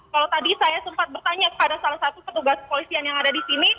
kalau tadi saya sempat bertanya kepada salah satu petugas kepolisian yang ada di sini